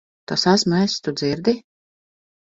Tas esmu es. Tu dzirdi?